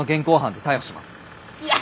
いや。